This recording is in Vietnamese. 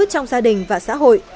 trong gia đình và xã hội